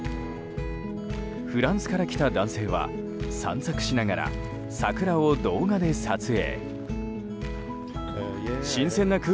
フランスから来た男性は散策しながら、桜を動画で撮影。